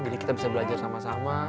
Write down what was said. jadi kita bisa belajar sama sama